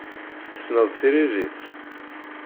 Tessneḍ tiririt?